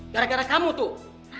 gara gara kamu tuh